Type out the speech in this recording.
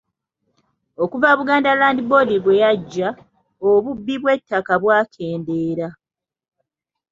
Okuva Buganda Land Board bwe yajja, obubbi bw'ettaka bwakendeera.